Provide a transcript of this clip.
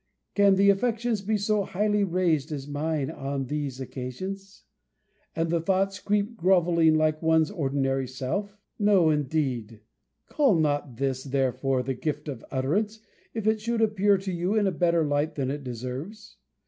Can the affections be so highly raised as mine are on these occasions, and the thoughts creep grovelling like one's ordinary self? No, indeed! Call not this, therefore, the gift of utterance, if it should appear to you in a better light than it deserves.